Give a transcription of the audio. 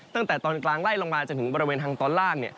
ตั้งแต่ตอนกลางไล่ลงมาจนถึงบริเวณทางตอนล่าง